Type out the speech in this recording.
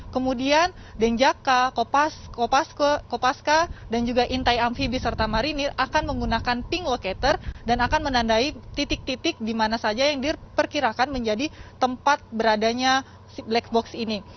kemudian denjaka kopaska dan juga intai amfibi serta marinir akan menggunakan ping locator dan akan menandai titik titik di mana saja yang diperkirakan menjadi tempat beradanya black box ini